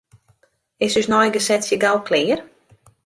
Is ús neigesetsje gau klear?